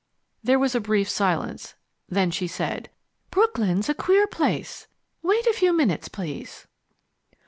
There was a brief silence. Then she said: "Brooklyn's a queer place. Wait a few minutes, please."